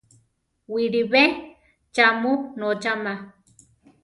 Wiʼlibé cha mu nocháma?